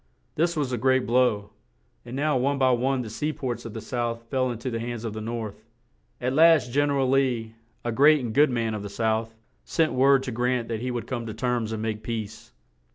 This was a great blow, and now one by one the sea ports of the South fell in to the hands of the North. At last Gen er al Lee, a great and good man of the South, sent word to Grant that he would come to terms and make peace.